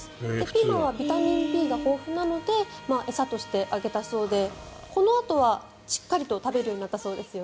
ピーマンはビタミンＢが豊富なので餌としてあげたそうでこのあとはしっかり食べるようになったそうですよ。